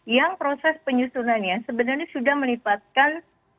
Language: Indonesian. yang proses penyusunannya sebenarnya sudah melipatkan